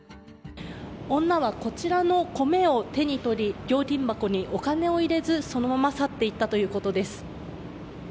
女は、こちらの米を手に取り料金箱にお金を入れず、そのまま去って行ったということです。